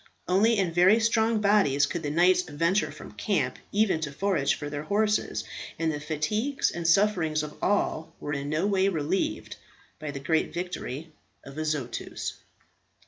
Only in very strong bodies could the knights venture from camp even to forage for their horses, and the fatigues and sufferings of all were in a way relieved by the great victory of Azotus.